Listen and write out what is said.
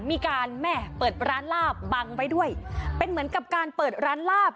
มีการแม่เปิดร้านลาบบังไว้ด้วยเป็นเหมือนกับการเปิดร้านลาบ